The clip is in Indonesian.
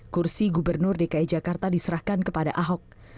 kursi gubernur dki jakarta diserahkan kepada ahok